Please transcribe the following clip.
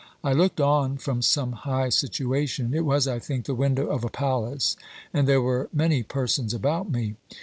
I looked on from some high situation ; it was, I think, the window of a palace, and there were many persons about me.